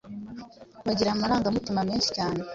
bagira amarangamutima menshi cyane